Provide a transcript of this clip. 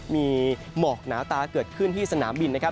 มีหมอกหนาตาเกิดขึ้นที่สนามบินนะครับ